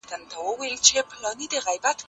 مذهب سوله او ورورولي غواړي.